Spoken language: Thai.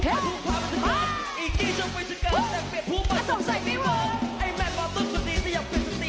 ไอ้แม่บอกต้นก่อนดีจะยังเป็นศึกษี